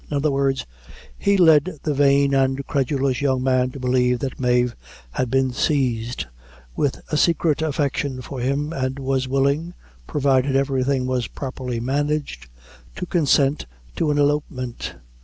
In other words, he led the vain and credulous young man to believe that Mave had been seized with a secret affection for him, and was willing, provided everything was properly managed, to consent to an elopement.